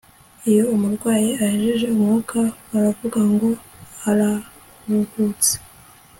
iyo umurwayi ahejeje umwuka, baravuga ngo arahuhutse